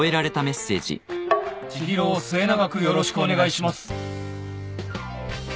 「知博を末永くよろしくお願いします！」